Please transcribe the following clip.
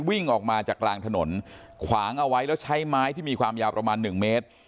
วิ่งออกมาจากกลางถนนขวางเอาไว้แล้วใช้ไม้ที่มีความยาวประมาณหนึ่งเมตร